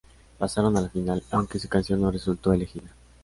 Pasaron a la final aunque su canción no resultó elegida.